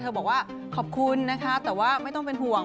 บอกว่าขอบคุณนะคะแต่ว่าไม่ต้องเป็นห่วง